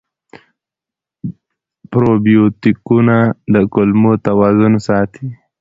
پروبیوتیکونه د کولمو توازن ساتي.